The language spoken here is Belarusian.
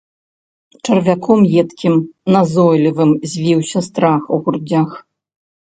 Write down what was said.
Чарвяком едкім, назойлівым звіўся страх у грудзях.